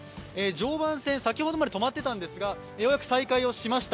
常磐線、先ほどまで止まっていたんですがようやく再開をしました。